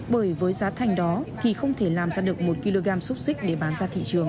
bởi với giá thành đó thì không thể làm ra được một kg xúc xích để bán ra thị trường